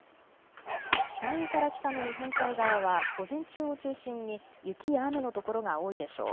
山陰から北の日本海側は午前中を中心に雪や雨の所が多いでしょう。